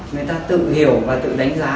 người ta tự hiểu và tự đánh giá